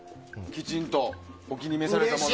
きちんとお気に召されたもの。